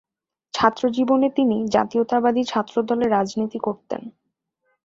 ছাত্রজীবনে তিনি জাতীয়তাবাদী ছাত্রদলের রাজনীতি করতেন।